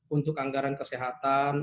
untuk anggaran kesehatan